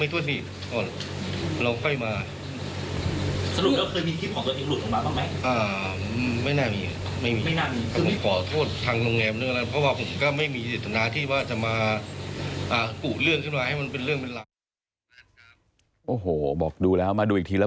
อ่าไม่น่ามีไม่น่ามีผมขอโทษทางโรงแรมด้วยแล้ว